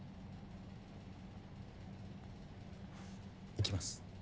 行きます。